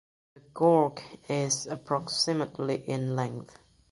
The gorge is approximately in length.